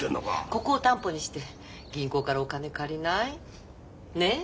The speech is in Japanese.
ここを担保にして銀行からお金借りない？ねえ？